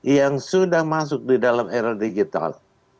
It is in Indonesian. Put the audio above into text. yang sudah masuk di dalam era digital